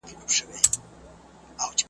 هغه لاري به تباه کړو چي رسیږي تر بېلتونه .